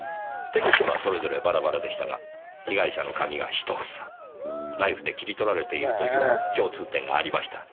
手口はそれぞれバラバラでしたが被害者の髪が１房ナイフで切り取られているという共通点がありました。